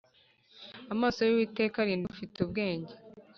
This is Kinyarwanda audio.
amaso y’uwiteka arinda ufite ubwenge,